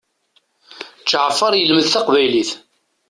Ǧeɛfer yelmed taqbaylit.